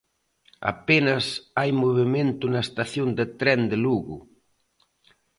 Apenas hai movemento na estación de tren de Lugo.